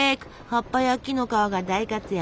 葉っぱや木の皮が大活躍。